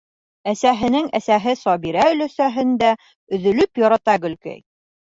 Әсәһенең әсәһе Сабира өләсәһен дә өҙөлөп ярата Гөлкәй.